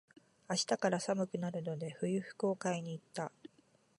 明日から寒くなるので、冬服を買いに行った。